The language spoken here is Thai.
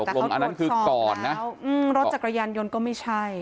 อันนั้นคือก่อนนะรถจักรยานยนต์ก็ไม่ใช่